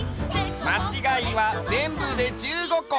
まちがいはぜんぶで１５こ。